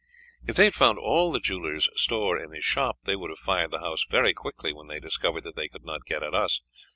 If they had found all the jeweller's store in his shop, they would have fired the house very quickly when they discovered that they could not get at us.